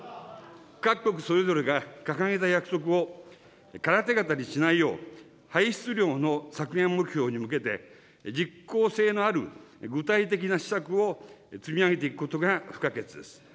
各国それぞれが、掲げた約束を空手形にしないよう、排出量の削減目標に向けて、実効性のある、具体的な施策を積み上げていくことが不可欠です。